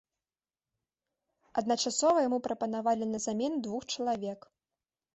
Адначасова яму прапанавалі на замену двух чалавек.